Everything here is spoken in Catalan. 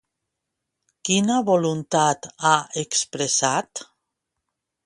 Quina voluntat ha expressat?